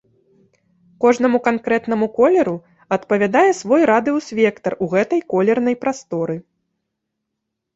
Кожнаму канкрэтнаму колеру адпавядае свой радыус-вектар у гэтай колернай прасторы.